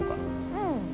うん